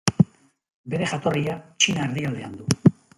Bere jatorria Txina erdialdean du.